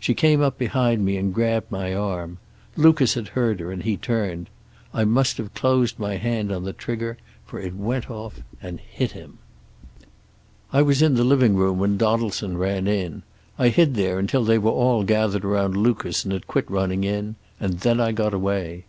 She came up behind me and grabbed my arm. Lucas had heard her, and he turned. I must have closed my hand on the trigger, for it went off and hit him. "I was in the living room when Donaldson ran in. I hid there until they were all gathered around Lucas and had quit running in, and then I got away.